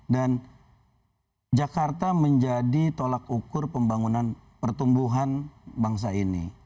dan jakarta menjadi tolak ukur pembangunan pertumbuhan bangsa ini